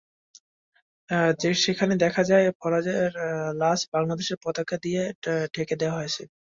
সেখানে দেখা যায় ফারাজের লাশ বাংলাদেশের পতাকা দিয়ে ঢেকে দেওয়া হয়েছে।